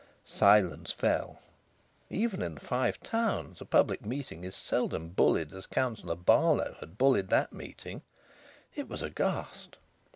Silence fell. Even in the Five Towns a public meeting is seldom bullied as Councillor Barlow had bullied that meeting. It was aghast.